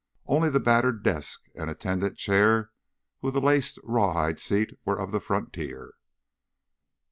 Only the battered desk and an attendant chair with a laced rawhide seat were of the frontier.